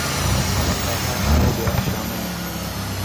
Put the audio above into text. آکھاس مئے ݙے اَچ شامو